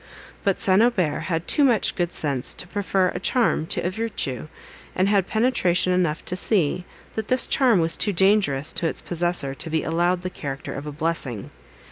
But St. Aubert had too much good sense to prefer a charm to a virtue; and had penetration enough to see, that this charm was too dangerous to its possessor to be allowed the character of a blessing.